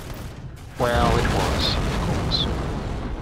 Well, it was, of course.